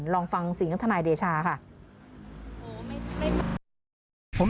ลองฟังเสียงทนายเดชาค่ะ